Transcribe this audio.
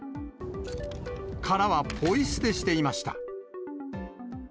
殻はポイ捨てしていました。